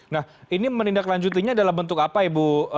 nah ini menindaklanjutinya dalam bentuk apa ibu